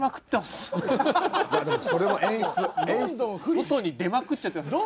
外に出まくっちゃってます。